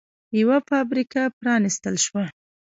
یوه فابریکه پرانېستل شوه